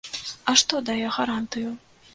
А што дае гарантыю?